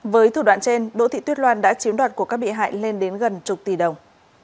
với thủ đoạn trên đỗ thị tuyết loan đã chiếm đoạt của các bị hại lên đến gần chục tỷ đồng